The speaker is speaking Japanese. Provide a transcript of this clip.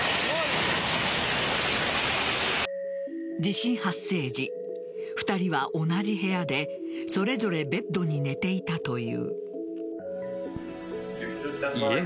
地震発生時、２人は同じ部屋でそれぞれベッドに寝ていたという。